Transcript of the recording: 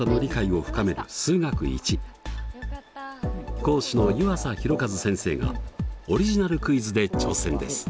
講師の湯浅弘一先生がオリジナルクイズで挑戦です。